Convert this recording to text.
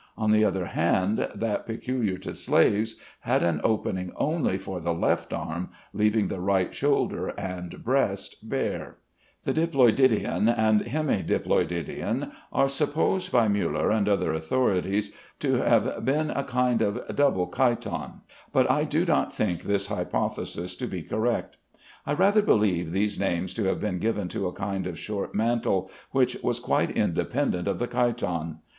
On the other hand, that peculiar to slaves had an opening only for the left arm, leaving the right shoulder and breast bare. The "diploidion" and "hemi diploidion" are supposed by Müller and other authorities to have been a kind of double chiton, but I do not think this hypothesis to be correct. I rather believe these names to have been given to a kind of short mantle, which was quite independent of the chiton.